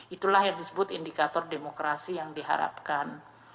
itulah yang disebut indikator demokrasi yang diharapkan